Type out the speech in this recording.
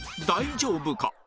大丈夫か？